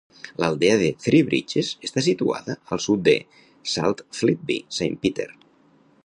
L'aldea de Three Bridges està situada al sud de Saltfleetby Saint Peter.